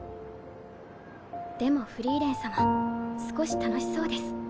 でもフリーレン様少し楽しそうです。